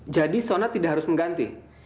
jadi sona tidak harus mengganti